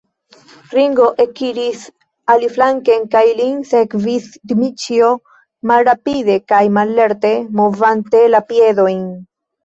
Ringo ekiris aliflanken, kaj lin sekvis Dmiĉjo, malrapide kaj mallerte movante la piedojn.